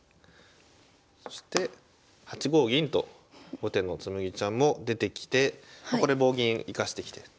そして８五銀と後手の紬ちゃんも出てきてこれ棒銀生かしてきて。